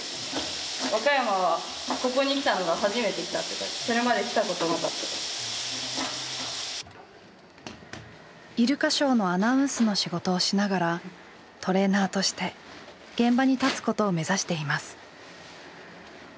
もうぬれちゃうんで逆に２年目の飼育員イルカショーのアナウンスの仕事をしながらトレーナーとして現場に立つことを目指しています。